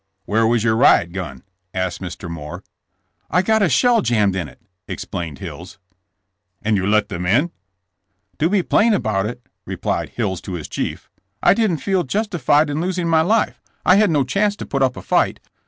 "Where was your riot gun?" asked Mr. Moore. "I got a shell jammed in it," explained Hills. "And you let them in?" "To be plain about it," replied Hills to his chief, I didn't feel justified in losing my life. I had no THB IMBEDS HOI<D UP. 117 chance to put up a fight.